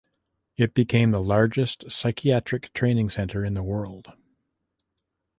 It became the largest psychiatric training center in the world.